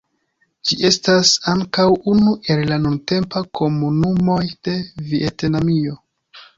Ĝi estas ankaŭ unu el la nuntempa komunumoj de Vjetnamio.